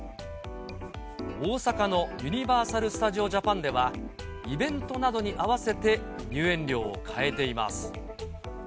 大阪のユニバーサル・スタジオ・ジャパンでは、イベントなどに合わせて入園料を変えています。